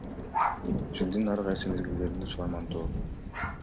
Жылдын ар кайсы мезгилдеринде Сулайман Тоо